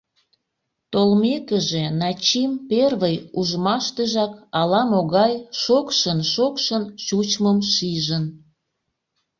Толмекыже, Начим первый ужмаштыжак ала-могай шокшын-шокшын чучмым шижын.